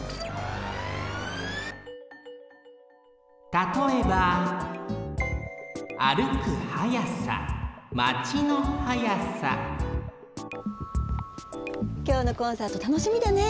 たとえばきょうのコンサートたのしみだね。